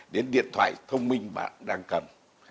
đến điện thoại thông minh bạn đang cầm